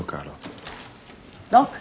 ドック。